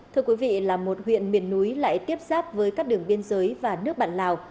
thưa quý vị là một huyện miền núi lại tiếp giáp với các đường biên giới và nước bạn lào